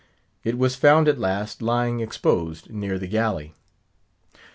It was found at last, lying exposed near the galley.